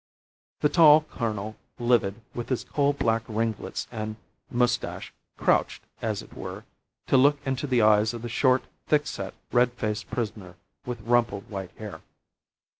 The tall colonel, livid, with his coal black ringlets and moustache, crouched, as it were, to look into the eyes of the short, thick set, red faced prisoner with rumpled white hair.